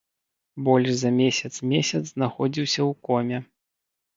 Больш за месяц месяц знаходзіўся ў коме.